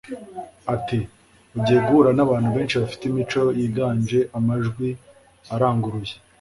ati ugiye guhura n'abantu benshi bafite imico yiganje amajwi aranguruye